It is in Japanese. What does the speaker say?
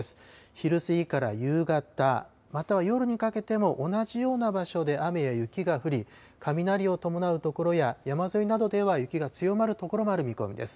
昼過ぎから夕方、または夜にかけても同じような場所で雨や雪が降り、雷を伴う所や、山沿いなどでは雪が強まる所もある見込みです。